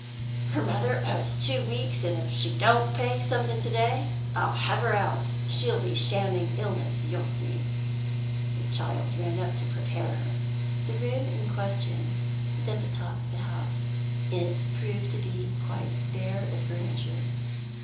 "Her mother owes two weeks, and if she don't pay something to day, I'll have her out. She'll be shamming illness, you'll see. The child ran up to prepare her." The room in question was at the top of the house. It proved to be quite bare of furniture.